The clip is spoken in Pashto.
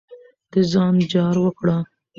د ځان جار وکړه.